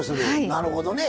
なるほどね。